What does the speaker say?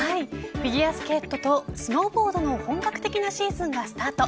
フィギュアスケートとスノーボードの本格的なシーズンがスタート。